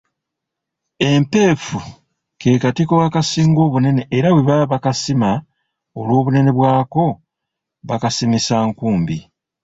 Empeefu ke katiko akasinga obunene era bwe baba bakasima olw'obunene bwako bakasimisa nkumbi.